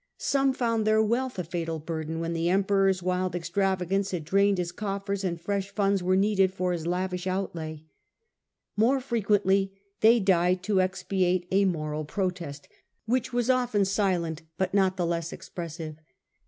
Some found their reasons. Wealth a fatal burden when the Emperor's wild extravagance had drained his coffers and fresh funds were needed for his lavish outlay. More frequently they died to expiate a moral protest, which was often silent, but not the less expressive.